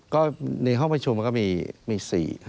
ก็ในห้องประชุมก็มี๔